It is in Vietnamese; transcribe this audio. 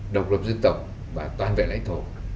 độc lập dân tộc và toàn vẹn lãnh thổ